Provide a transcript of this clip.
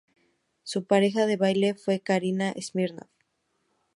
Su pareja de baile fue Karina Smirnoff.